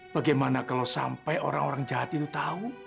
bagaimana kalo sampai orang orang jahat itu tau